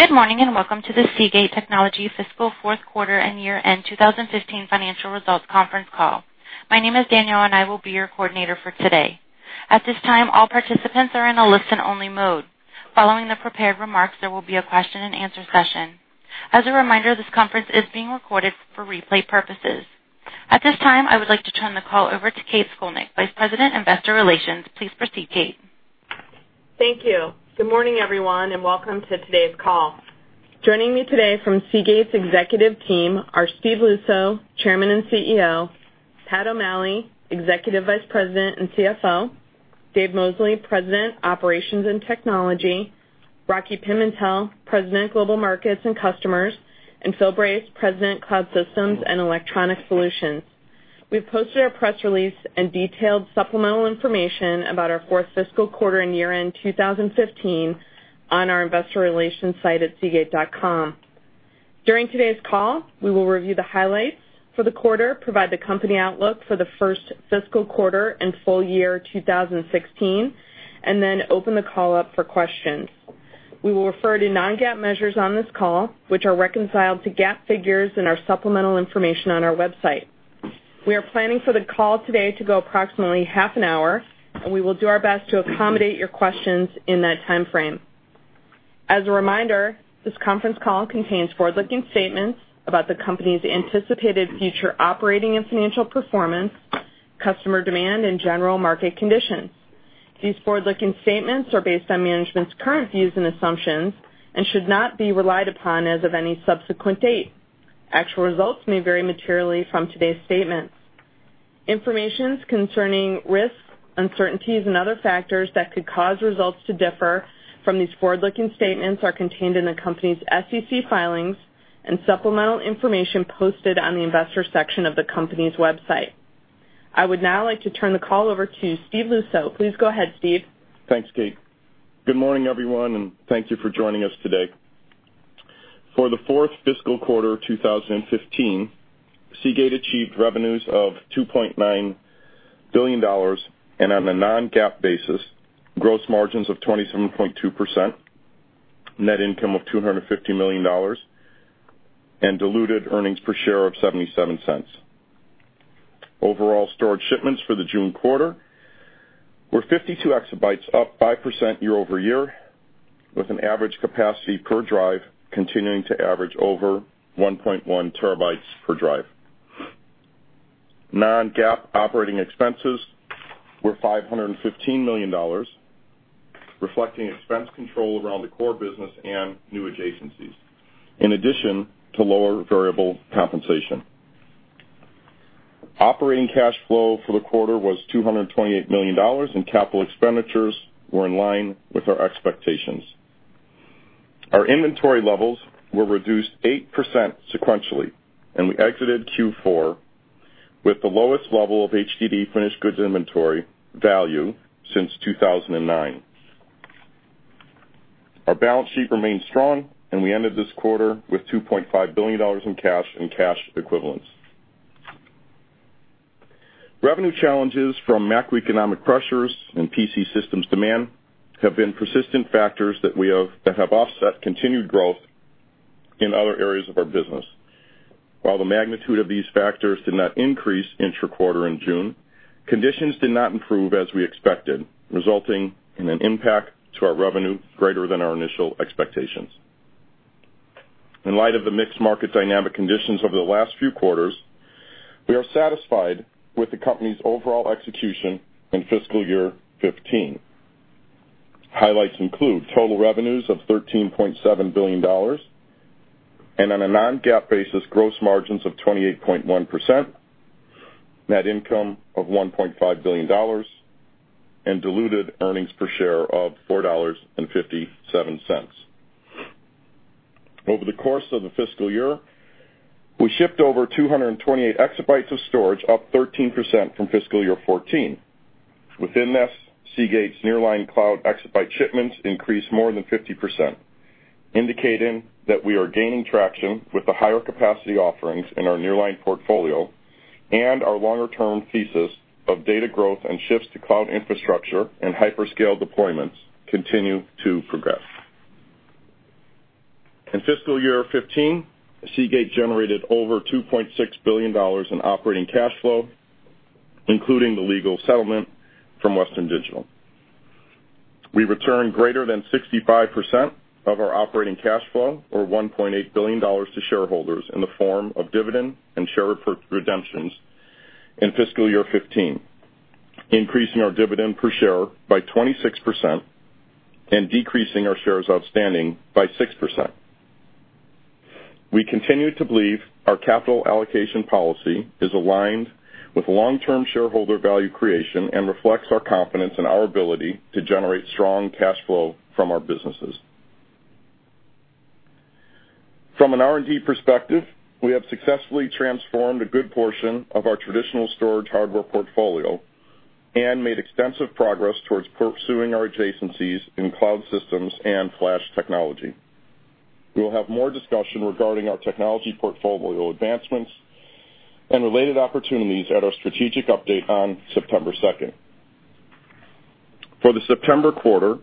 Good morning, and welcome to the Seagate Technology fiscal fourth quarter and year-end 2015 financial results conference call. My name is Danielle, and I will be your coordinator for today. At this time, all participants are in a listen-only mode. Following the prepared remarks, there will be a question and answer session. As a reminder, this conference is being recorded for replay purposes. At this time, I would like to turn the call over to Kate Scolnick, Vice President, Investor Relations. Please proceed, Kate. Thank you. Good morning, everyone, and welcome to today's call. Joining me today from Seagate's executive team are Steve Luczo, Chairman and CEO; Pat O'Malley, Executive Vice President and CFO; Dave Mosley, President, Operations and Technology; Rocky Pimentel, President, Global Markets and Customers; and Phil Brace, President, Cloud Systems and Electronic Solutions. We've posted our press release and detailed supplemental information about our fourth fiscal quarter and year-end 2015 on our investor relations site at seagate.com. During today's call, we will review the highlights for the quarter, provide the company outlook for the first fiscal quarter and full year 2016, and then open the call up for questions. We will refer to non-GAAP measures on this call, which are reconciled to GAAP figures in our supplemental information on our website. We are planning for the call today to go approximately half an hour, and we will do our best to accommodate your questions in that timeframe. As a reminder, this conference call contains forward-looking statements about the company's anticipated future operating and financial performance, customer demand, and general market conditions. These forward-looking statements are based on management's current views and assumptions and should not be relied upon as of any subsequent date. Actual results may vary materially from today's statements. Informations concerning risks, uncertainties, and other factors that could cause results to differ from these forward-looking statements are contained in the company's SEC filings and supplemental information posted on the investor section of the company's website. I would now like to turn the call over to Steve Luczo. Please go ahead, Steve. Thanks, Kate. Good morning, everyone, and thank you for joining us today. For the fourth fiscal quarter 2015, Seagate achieved revenues of $2.9 billion and, on a non-GAAP basis, gross margins of 27.2%, net income of $250 million, and diluted earnings per share of $0.77. Overall storage shipments for the June quarter were 52 exabytes, up 5% year-over-year, with an average capacity per drive continuing to average over 1.1 terabytes per drive. Non-GAAP operating expenses were $515 million, reflecting expense control around the core business and new adjacencies, in addition to lower variable compensation. Operating cash flow for the quarter was $228 million, and capital expenditures were in line with our expectations. Our inventory levels were reduced 8% sequentially, and we exited Q4 with the lowest level of HDD finished goods inventory value since 2009. Our balance sheet remains strong. We ended this quarter with $2.5 billion in cash and cash equivalents. Revenue challenges from macroeconomic pressures and PC systems demand have been persistent factors that have offset continued growth in other areas of our business. While the magnitude of these factors did not increase intra-quarter in June, conditions did not improve as we expected, resulting in an impact to our revenue greater than our initial expectations. In light of the mixed market dynamic conditions over the last few quarters, we are satisfied with the company's overall execution in fiscal year 2015. Highlights include total revenues of $13.7 billion and, on a non-GAAP basis, gross margins of 28.1%, net income of $1.5 billion, and diluted earnings per share of $4.57. Over the course of the fiscal year, we shipped over 228 exabytes of storage, up 13% from fiscal year 2014. Within this, Seagate's Nearline cloud exabyte shipments increased more than 50%, indicating that we are gaining traction with the higher capacity offerings in our Nearline portfolio. Our longer-term thesis of data growth and shifts to cloud infrastructure and hyperscale deployments continue to progress. In fiscal year 2015, Seagate generated over $2.6 billion in operating cash flow, including the legal settlement from Western Digital. We returned greater than 65% of our operating cash flow, or $1.8 billion, to shareholders in the form of dividend and share repurchased redemptions in fiscal year 2015, increasing our dividend per share by 26% and decreasing our shares outstanding by 6%. We continue to believe our capital allocation policy is aligned with long-term shareholder value creation and reflects our confidence in our ability to generate strong cash flow from our businesses. From an R&D perspective, we have successfully transformed a good portion of our traditional storage hardware portfolio and made extensive progress towards pursuing our adjacencies in cloud systems and flash technology. We will have more discussion regarding our technology portfolio advancements and related opportunities at our strategic update on September 2nd. For the September quarter,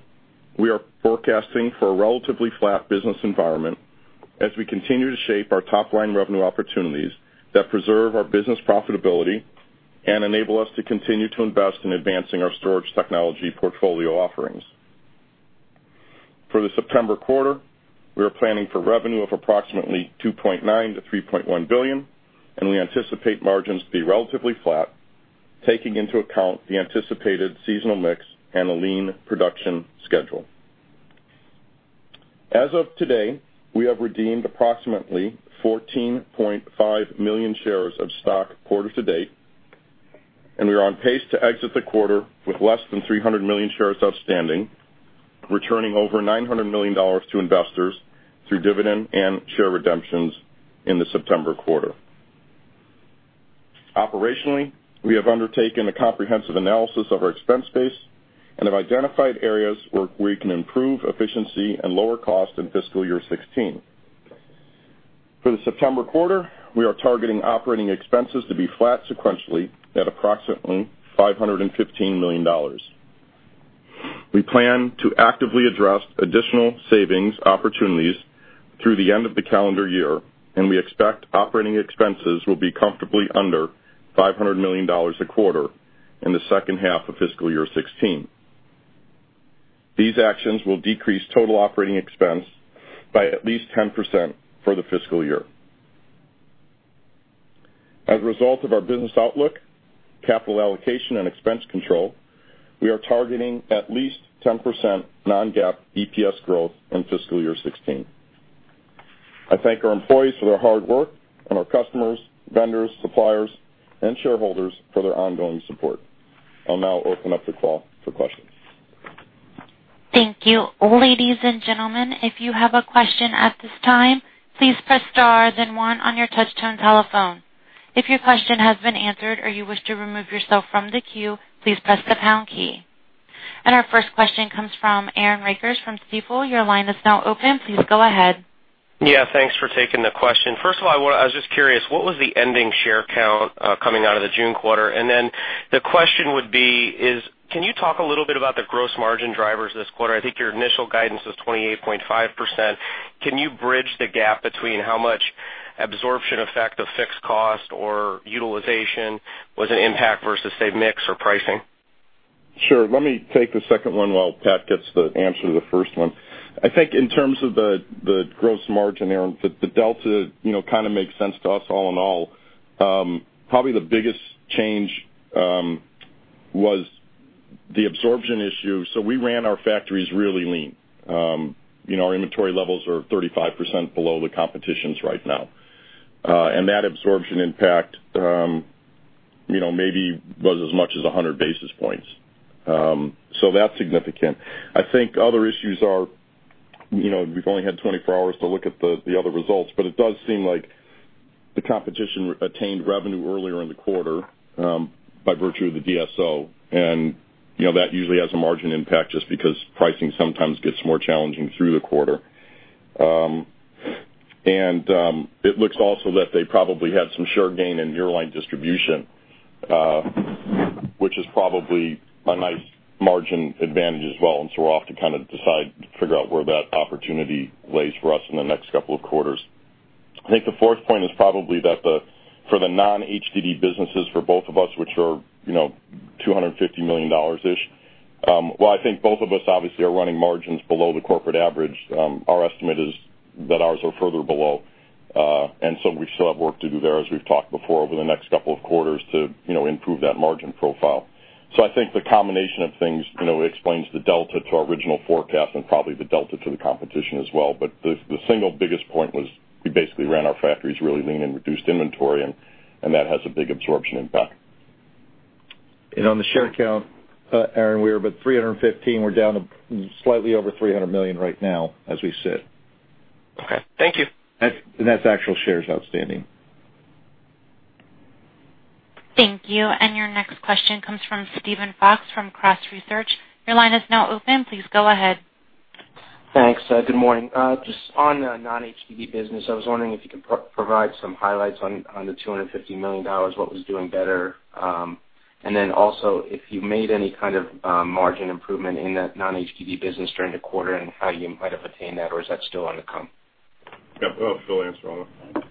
we are forecasting for a relatively flat business environment as we continue to shape our top-line revenue opportunities that preserve our business profitability and enable us to continue to invest in advancing our storage technology portfolio offerings. For the September quarter, we are planning for revenue of approximately $2.9 billion-$3.1 billion. We anticipate margins to be relatively flat, taking into account the anticipated seasonal mix and a lean production schedule. As of today, we have redeemed approximately 14.5 million shares of stock quarter to date. We are on pace to exit the quarter with less than 300 million shares outstanding, returning over $900 million to investors through dividend and share redemptions in the September quarter. Operationally, we have undertaken a comprehensive analysis of our expense base and have identified areas where we can improve efficiency and lower cost in fiscal year 2016. For the September quarter, we are targeting operating expenses to be flat sequentially at approximately $515 million. We plan to actively address additional savings opportunities through the end of the calendar year. We expect operating expenses will be comfortably under $500 million a quarter in the second half of fiscal year 2016. These actions will decrease total operating expense by at least 10% for the fiscal year. As a result of our business outlook, capital allocation, and expense control, we are targeting at least 10% non-GAAP EPS growth in fiscal year 2016. I thank our employees for their hard work and our customers, vendors, suppliers, and shareholders for their ongoing support. I'll now open up the call for questions. Thank you. Ladies and gentlemen, if you have a question at this time, please press star then one on your touch-tone telephone. If your question has been answered or you wish to remove yourself from the queue, please press the pound key. Our first question comes from Aaron Rakers from Stifel. Your line is now open. Please go ahead. Yeah, thanks for taking the question. First of all, I was just curious, what was the ending share count coming out of the June quarter? Then the question would be is, can you talk a little bit about the gross margin drivers this quarter? I think your initial guidance was 28.5%. Can you bridge the gap between how much absorption effect of fixed cost or utilization was an impact versus, say, mix or pricing? Sure. Let me take the second one while Pat gets the answer to the first one. I think in terms of the gross margin, Aaron, the delta makes sense to us all in all. Probably the biggest change was the absorption issue. We ran our factories really lean. Our inventory levels are 35% below the competition's right now. That absorption impact maybe was as much as 100 basis points. That's significant. I think other issues are, we've only had 24 hours to look at the other results, but it does seem like the competition attained revenue earlier in the quarter by virtue of the DSO, and that usually has a margin impact just because pricing sometimes gets more challenging through the quarter. It looks also that they probably had some share gain in nearline distribution, which is probably a nice margin advantage as well. We'll have to decide to figure out where that opportunity lays for us in the next couple of quarters. I think the fourth point is probably that for the non-HDD businesses for both of us, which are $250 million-ish, while I think both of us obviously are running margins below the corporate average, our estimate is that ours are further below, we still have work to do there, as we've talked before, over the next couple of quarters to improve that margin profile. I think the combination of things explains the delta to our original forecast and probably the delta to the competition as well. The single biggest point was we basically ran our factories really lean and reduced inventory, and that has a big absorption impact. On the share count, Aaron, we were about 315. We're down to slightly over $300 million right now as we sit. Okay. Thank you. That's actual shares outstanding. Thank you. Your next question comes from Steven Fox from Cross Research. Your line is now open. Please go ahead. Thanks. Good morning. Just on the non-HDD business, I was wondering if you could provide some highlights on the $250 million, what was doing better. Also if you made any kind of margin improvement in that non-HDD business during the quarter and how you might have attained that, or is that still on to come? Yeah. I'll let Phil answer on that.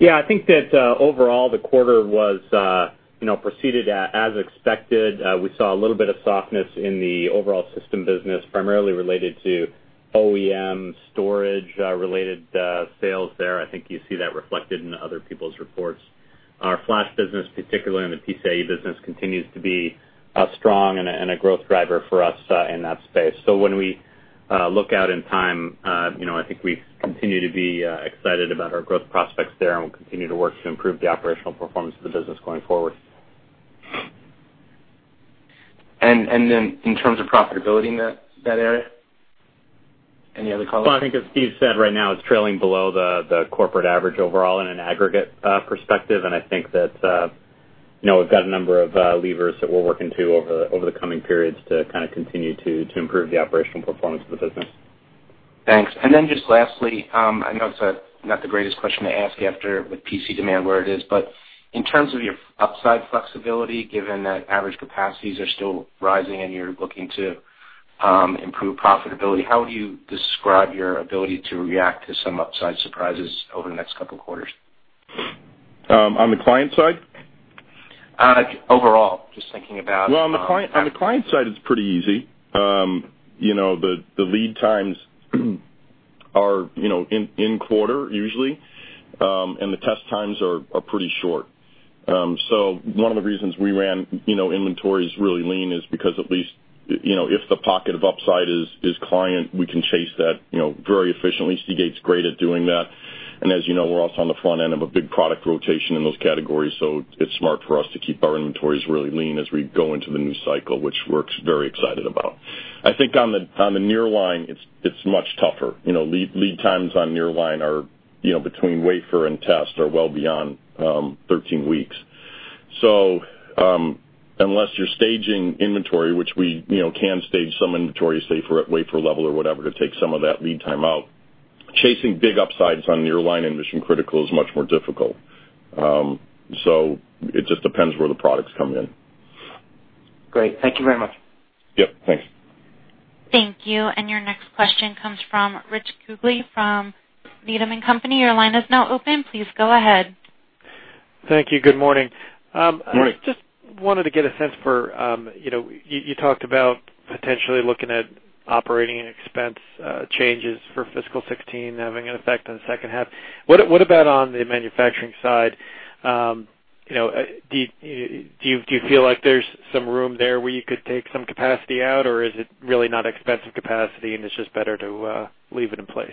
Yeah, I think that overall, the quarter proceeded as expected. We saw a little bit of softness in the overall system business, primarily related to OEM storage-related sales there. I think you see that reflected in other people's reports. Our flash business, particularly in the PCIe business, continues to be strong and a growth driver for us in that space. When we look out in time, I think we continue to be excited about our growth prospects there, and we'll continue to work to improve the operational performance of the business going forward. In terms of profitability in that area? Any other comments? Well, I think as Steve said, right now it's trailing below the corporate average overall in an aggregate perspective, and I think that we've got a number of levers that we're working to over the coming periods to continue to improve the operational performance of the business. Thanks. Just lastly, I know it's not the greatest question to ask you after with PC demand where it is, but in terms of your upside flexibility, given that average capacities are still rising and you're looking to improve profitability, how would you describe your ability to react to some upside surprises over the next couple of quarters? On the client side? Overall, just thinking about Well, on the client side, it's pretty easy. The lead times are in quarter usually. The test times are pretty short. One of the reasons we ran inventories really lean is because at least, if the pocket of upside is client, we can chase that very efficiently. Seagate's great at doing that. As you know, we're also on the front end of a big product rotation in those categories, so it's smart for us to keep our inventories really lean as we go into the new cycle, which we're very excited about. I think on the Nearline, it's much tougher. Lead times on Nearline are between wafer and test are well beyond 13 weeks. Unless you're staging inventory, which we can stage some inventory, say, for wafer level or whatever, to take some of that lead time out, chasing big upsides on Nearline and mission-critical is much more difficult. It just depends where the products come in. Great. Thank you very much. Yep, thanks. Thank you. Your next question comes from Richard Kugele from Needham & Company. Your line is now open. Please go ahead. Thank you. Good morning. Morning. Just wanted to get a sense for, you talked about potentially looking at operating expense changes for fiscal 2016 having an effect on the second half. What about on the manufacturing side? Do you feel like there's some room there where you could take some capacity out, or is it really not expensive capacity, and it's just better to leave it in place?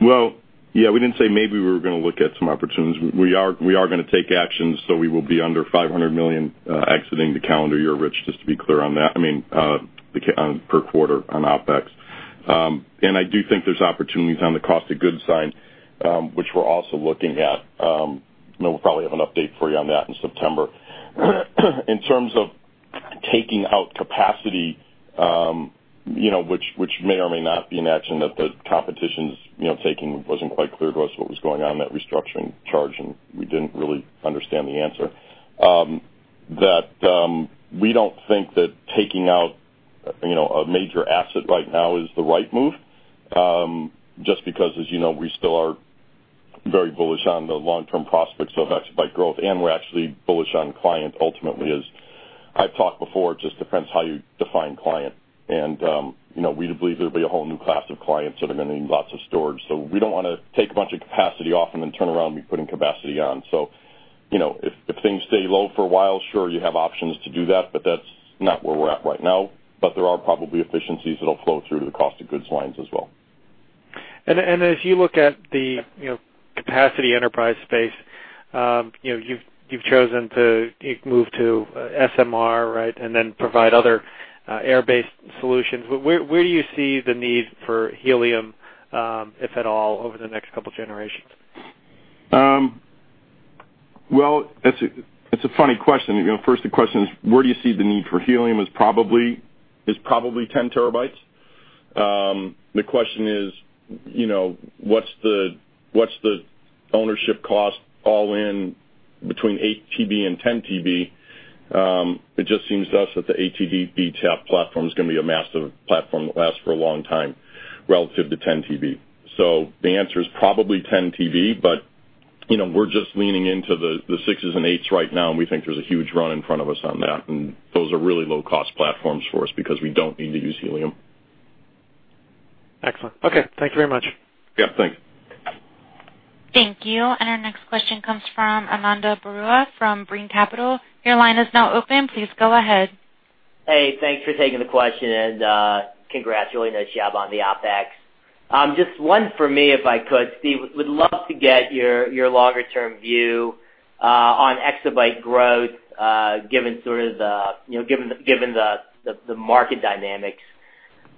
Well, yeah, we didn't say maybe we were going to look at some opportunities. We are going to take actions, so we will be under $500 million exiting the calendar year, Rich, just to be clear on that. I mean, per quarter on OpEx. I do think there's opportunities on the cost of goods side, which we're also looking at. We'll probably have an update for you on that in September. In terms of taking out capacity, which may or may not be an action that the competition's taking, wasn't quite clear to us what was going on in that restructuring charge, and we didn't really understand the answer. That we don't think that taking out a major asset right now is the right move, just because, as you know, we still are very bullish on the long-term prospects of exabyte growth, and we're actually bullish on client ultimately. As I've talked before, it just depends how you define client. We believe there'll be a whole new class of clients that are going to need lots of storage. We don't want to take a bunch of capacity off and then turn around and be putting capacity on. If things stay low for a while, sure, you have options to do that, but that's not where we're at right now. There are probably efficiencies that'll flow through to the cost of goods lines as well. As you look at the capacity enterprise space, you've chosen to move to SMR, right, and then provide other air-based solutions. Where do you see the need for helium, if at all, over the next couple of generations? Well, it's a funny question. First, the question is, where do you see the need for helium is probably 10 terabytes. The question is, what's the ownership cost all in between 8 TB and 10 TB? It just seems to us that the 8 TB He tap platform is going to be a massive platform that lasts for a long time relative to 10 TB. The answer is probably 10 TB, but we're just leaning into the sixes and eights right now, and we think there's a huge run in front of us on that, and those are really low-cost platforms for us because we don't need to use helium. Excellent. Okay. Thank you very much. Yeah, thanks. Thank you. Our next question comes from Ananda Baruah from Brean Capital. Your line is now open. Please go ahead. Hey, thanks for taking the question, and congrats. Really nice job on the OpEx. Just one for me, if I could, Steve. Would love to get your longer-term view on exabyte growth, given the market dynamics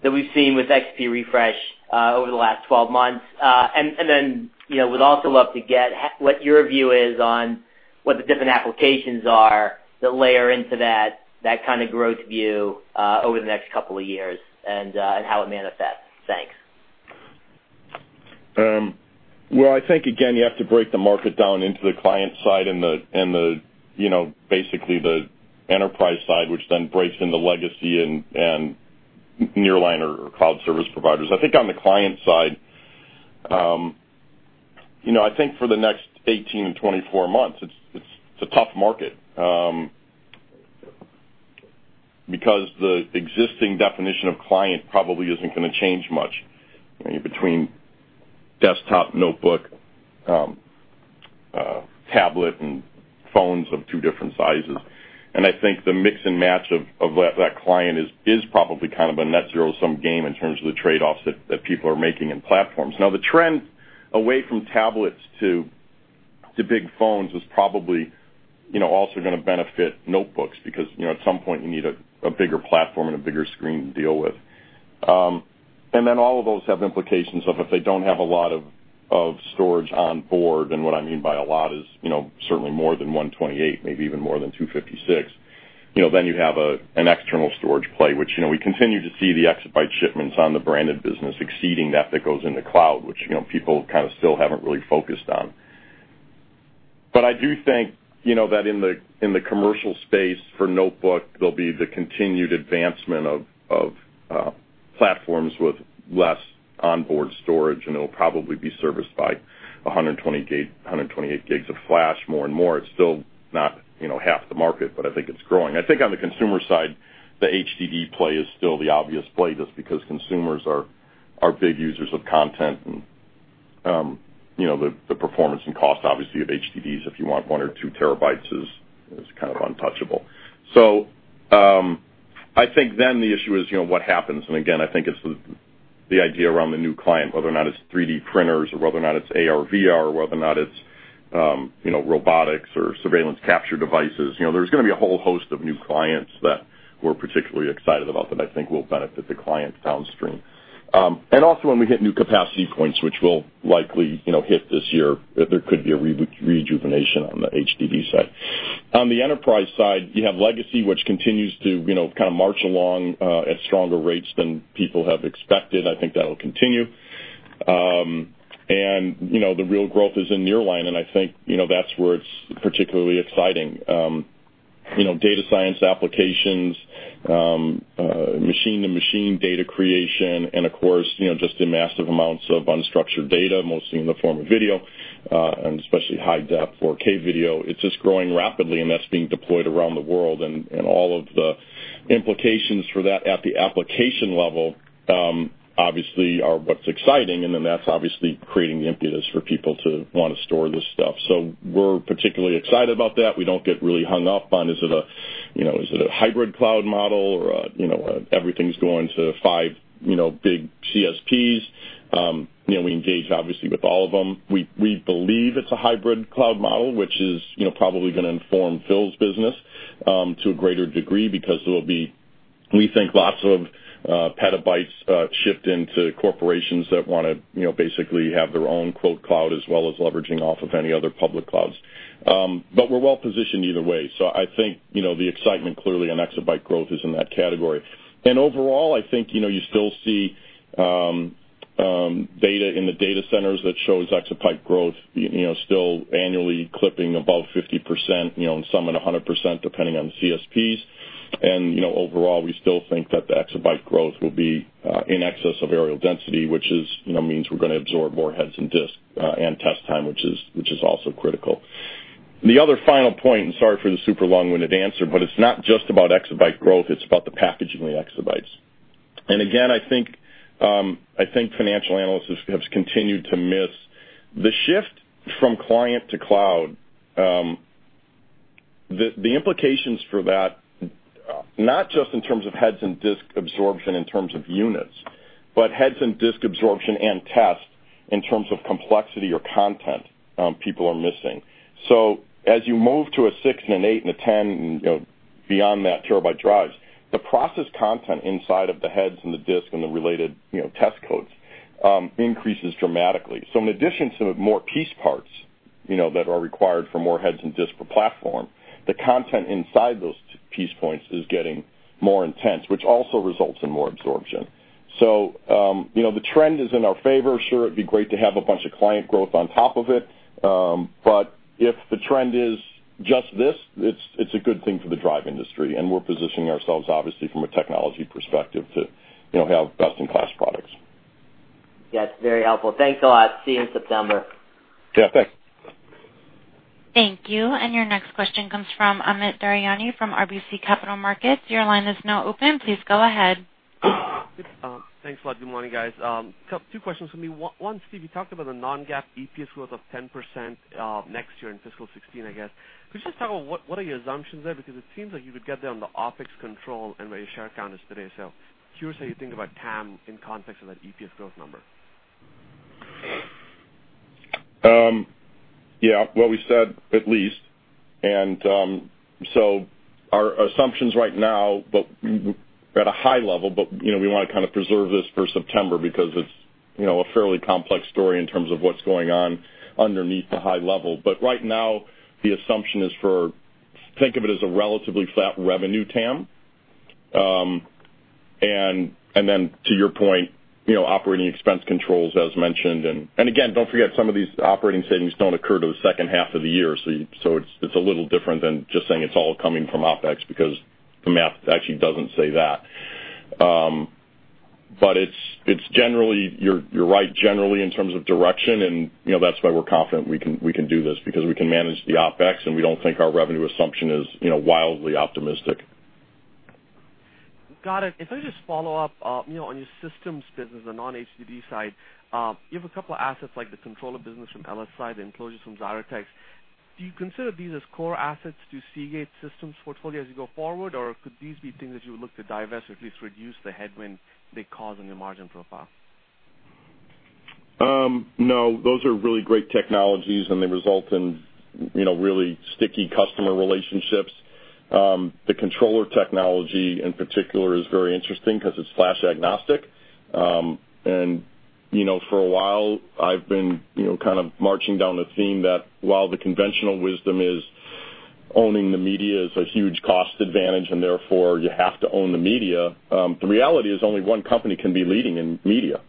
that we've seen with XP refresh over the last 12 months. Then, would also love to get what your view is on what the different applications are that layer into that kind of growth view over the next couple of years and how it manifests. Thanks. I think, again, you have to break the market down into the client side and basically the enterprise side, which then breaks into legacy and Nearline or Cloud Service Providers. I think on the client side, I think for the next 18 to 24 months, it's a tough market, because the existing definition of client probably isn't going to change much between desktop, notebook, tablet, and phones of two different sizes. I think the mix and match of that client is probably kind of a net zero-sum game in terms of the trade-offs that people are making in platforms. The trend away from tablets to big phones is probably also going to benefit notebooks because at some point, you need a bigger platform and a bigger screen to deal with. All of those have implications of if they don't have a lot of storage on board, and what I mean by a lot is certainly more than 128, maybe even more than 256. You have an external storage play, which we continue to see the exabyte shipments on the branded business exceeding that goes into cloud, which people kind of still haven't really focused on. I do think, that in the commercial space for notebook, there'll be the continued advancement of platforms with less onboard storage, and it'll probably be serviced by 128 gigs of flash more and more. It's still not half the market, but I think it's growing. I think on the consumer side, the HDD play is still the obvious play, just because consumers are big users of content, and the performance and cost, obviously, of HDDs, if you want one or two terabytes, is kind of untouchable. I think then the issue is what happens? Again, I think it's the idea around the new client, whether or not it's 3D printers or whether or not it's AR/VR, or whether or not it's robotics or surveillance capture devices. There's going to be a whole host of new clients that we're particularly excited about that I think will benefit the client downstream. Also, when we hit new capacity points, which we'll likely hit this year, there could be a rejuvenation on the HDD side. On the enterprise side, you have legacy, which continues to kind of march along at stronger rates than people have expected. I think that'll continue. The real growth is in Nearline, and I think that's where it's particularly exciting. Data science applications, machine to machine data creation, and of course, just the massive amounts of unstructured data, mostly in the form of video, and especially high-def 4K video. It's just growing rapidly, and that's being deployed around the world, and all of the implications for that at the application level, obviously, are what's exciting. That's obviously creating the impetus for people to want to store this stuff. We're particularly excited about that. We don't get really hung up on is it a hybrid cloud model or everything's going to five big CSPs. We engage, obviously, with all of them. We believe it's a hybrid cloud model, which is probably going to inform Phil's business to a greater degree, because there will be, we think, lots of petabytes shipped into corporations that want to basically have their own "cloud", as well as leveraging off of any other public clouds. We're well-positioned either way. I think, the excitement clearly on exabyte growth is in that category. Overall, I think you still see data in the data centers that shows exabyte growth still annually clipping above 50%, and some at 100%, depending on the CSPs. Overall, we still think that the exabyte growth will be in excess of areal density, which means we're going to absorb more heads and disk and test time, which is also critical. The other final point, sorry for the super long-winded answer, it's not just about exabyte growth, it's about the packaging of the exabytes. Again, I think financial analysts have continued to miss the shift from client to cloud. The implications for that, not just in terms of heads and disk absorption in terms of units, but heads and disk absorption and tests in terms of complexity or content, people are missing. As you move to a six and an eight and a 10 and beyond that terabyte drives, the process content inside of the heads and the disk and the related test codes increases dramatically. In addition to more piece parts that are required for more heads and disk per platform, the content inside those piece points is getting more intense, which also results in more absorption. The trend is in our favor. Sure, it'd be great to have a bunch of client growth on top of it. If the trend is just this, it's a good thing for the drive industry, we're positioning ourselves, obviously, from a technology perspective to have best-in-class products. Yes, very helpful. Thanks a lot. See you in September. Yeah. Thanks. Thank you. Your next question comes from Amit Daryanani from RBC Capital Markets. Your line is now open. Please go ahead. Thanks a lot. Good morning, guys. Two questions for me. One, Steve, you talked about the non-GAAP EPS growth of 10% next year in fiscal 2016, I guess. Could you just talk about what are your assumptions there? It seems like you would get there on the OpEx control and where your share count is today. Curious how you think about TAM in context of that EPS growth number. Yeah. What we said, at least. Our assumptions right now, at a high level, we want to kind of preserve this for September because it's a fairly complex story in terms of what's going on underneath the high level. Right now, the assumption is for, think of it as a relatively flat revenue TAM. Then to your point, operating expense controls as mentioned. Again, don't forget, some of these operating savings don't occur till the second half of the year, so it's a little different than just saying it's all coming from OpEx because the math actually doesn't say that. You're right, generally, in terms of direction, that's why we're confident we can do this because we can manage the OpEx, we don't think our revenue assumption is wildly optimistic. Got it. If I could just follow up on your systems business, the non-HDD side. You have a couple of assets like the controller business from LSI, the enclosures from Xyratex. Do you consider these as core assets to Seagate's systems portfolio as you go forward, or could these be things that you would look to divest or at least reduce the headwind they cause on your margin profile? No, those are really great technologies, and they result in really sticky customer relationships. The controller technology, in particular, is very interesting because it's flash agnostic. For a while, I've been marching down the theme that while the conventional wisdom is owning the media is a huge cost advantage and therefore you have to own the media, the reality is only one company can be leading in media,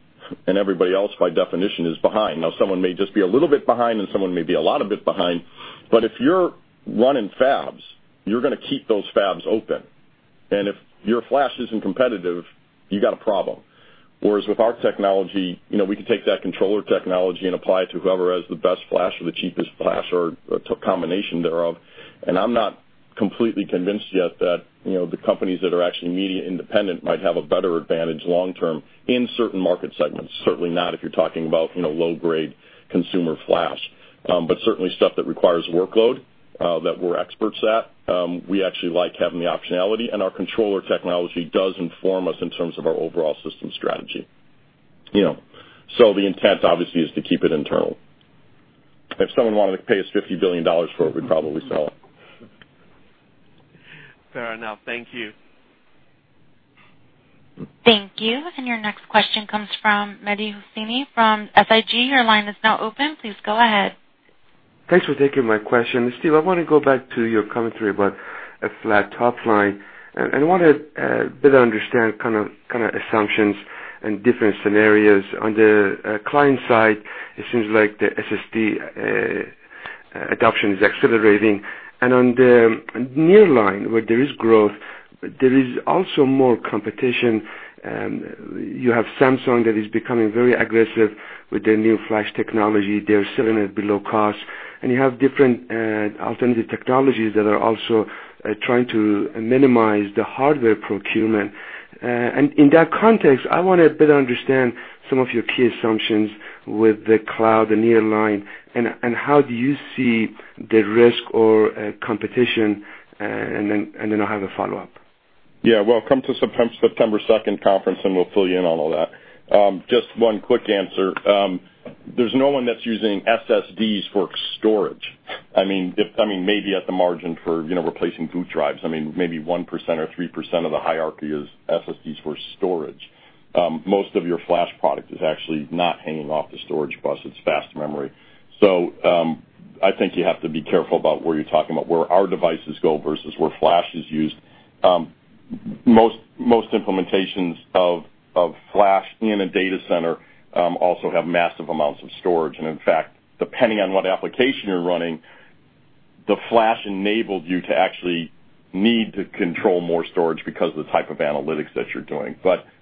everybody else by definition is behind. Now, someone may just be a little bit behind, and someone may be a lot a bit behind, but if you're running fabs, you're going to keep those fabs open. If your flash isn't competitive, you got a problem. Whereas with our technology, we can take that controller technology and apply it to whoever has the best flash or the cheapest flash or a combination thereof. I'm not completely convinced yet that the companies that are actually media independent might have a better advantage long term in certain market segments. Certainly not if you're talking about low-grade consumer flash. Certainly stuff that requires workload, that we're experts at, we actually like having the optionality, and our controller technology does inform us in terms of our overall system strategy. The intent obviously is to keep it internal. If someone wanted to pay us $50 billion for it, we'd probably sell it. Fair enough. Thank you. Thank you. Your next question comes from Mehdi Hosseini from SIG. Your line is now open. Please go ahead. Thanks for taking my question. Steve, I want to go back to your commentary about a flat top line. I wanted to better understand assumptions and different scenarios. On the client side, it seems like the SSD adoption is accelerating, and on the Nearline where there is growth, there is also more competition. You have Samsung that is becoming very aggressive with their new flash technology. They're selling at below cost. You have different alternative technologies that are also trying to minimize the hardware procurement. In that context, I want to better understand some of your key assumptions with the cloud and Nearline, and how do you see the risk or competition? Then I have a follow-up. Yeah. Well, come to September 2nd conference, we'll fill you in on all that. Just one quick answer. There's no one that's using SSDs for storage. Maybe at the margin for replacing boot drives, maybe 1% or 3% of the hierarchy is SSDs for storage. Most of your flash product is actually not hanging off the storage bus. It's fast memory. I think you have to be careful about where you're talking about where our devices go versus where flash is used. Most implementations of flash in a data center also have massive amounts of storage. In fact, depending on what application you're running, the flash enables you to actually need to control more storage because of the type of analytics that you're doing.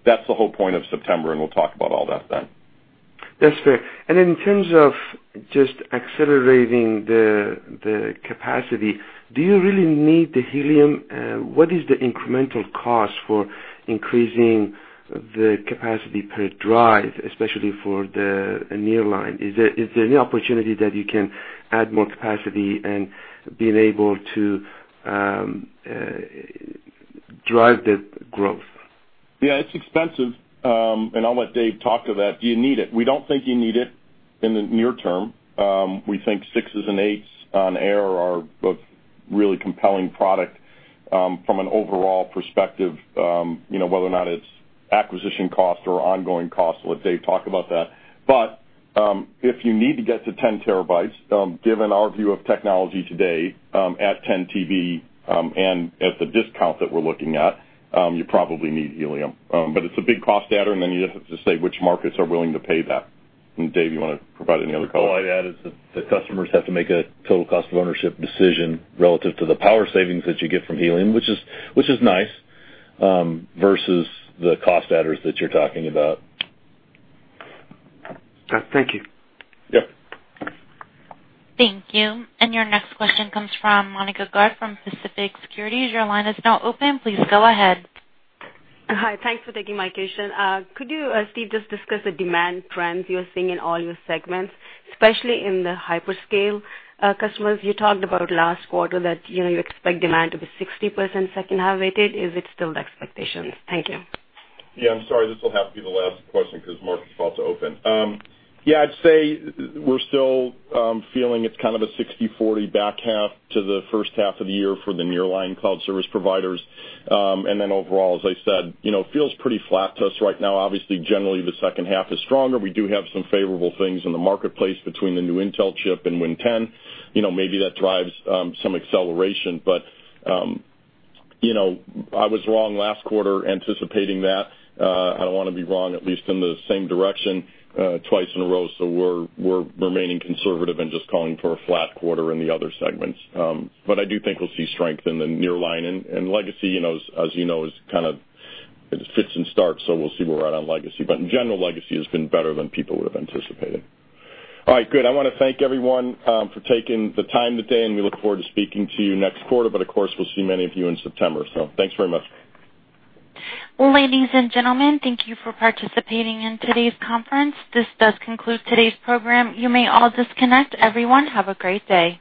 That's the whole point of September, we'll talk about all that then. That's fair. In terms of just accelerating the capacity, do you really need the helium? What is the incremental cost for increasing the capacity per drive, especially for the Nearline? Is there any opportunity that you can add more capacity and be able to drive the growth? Yeah, it's expensive. I'll let Dave talk to that. Do you need it? We don't think you need it in the near term. We think sixes and eights on air are both really compelling product from an overall perspective, whether or not it's acquisition cost or ongoing cost. I'll let Dave talk about that. If you need to get to 10 terabytes, given our view of technology today, at 10 TB, and at the discount that we're looking at, you probably need helium. It's a big cost adder, and then you have to say which markets are willing to pay that. Dave, you want to provide any other color? All I'd add is that the customers have to make a total cost of ownership decision relative to the power savings that you get from helium, which is nice, versus the cost adders that you're talking about. Thank you. Yep. Thank you. Your next question comes from Monika Garg from Pacific Securities. Your line is now open. Please go ahead. Hi. Thanks for taking my question. Could you, Steve, just discuss the demand trends you're seeing in all your segments, especially in the hyperscale customers? You talked about last quarter that you expect demand to be 60% second half weighted. Is it still the expectations? Thank you. Yeah, I'm sorry, this will have to be the last question because markets about to open. Yeah, I'd say we're still feeling it's a 60/40 back half to the first half of the year for the nearline cloud service providers. Overall, as I said, it feels pretty flat to us right now. Obviously, generally the second half is stronger. We do have some favorable things in the marketplace between the new Intel chip and Windows 10. Maybe that drives some acceleration, I was wrong last quarter anticipating that. I don't want to be wrong, at least in the same direction twice in a row. We're remaining conservative and just calling for a flat quarter in the other segments. I do think we'll see strength in the nearline and legacy, as you know, it fits and starts, so we'll see where we're at on legacy. In general, legacy has been better than people would've anticipated. All right, good. I want to thank everyone for taking the time today. We look forward to speaking to you next quarter, of course, we'll see many of you in September. Thanks very much. Ladies and gentlemen, thank you for participating in today's conference. This does conclude today's program. You may all disconnect. Everyone, have a great day.